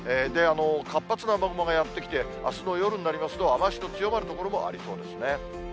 活発な雨雲がやって来て、あすの夜になりますと、雨足の強まる所もありそうですね。